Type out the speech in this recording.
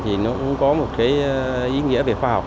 thì nó cũng có một cái ý nghĩa về khoa học